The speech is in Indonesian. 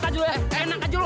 sembarangan aja lu